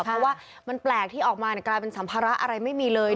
เพราะว่ามันแปลกที่ออกมากลายเป็นสัมภาระอะไรไม่มีเลย